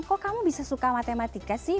kok kamu bisa suka matematika sih